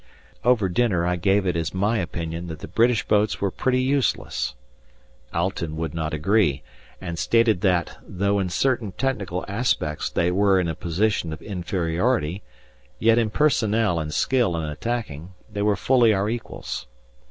Over dinner I gave it as my opinion that the British boats were pretty useless. Alten would not agree, and stated that, though in certain technical aspects they were in a position of inferiority, yet in personnel and skill in attacking they were fully our equals.